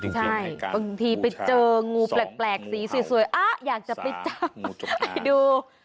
ใช่บางทีไปเจองูแปลกสีสวยอยากจะไปจับดู